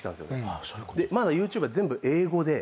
まだＹｏｕＴｕｂｅは全部英語で。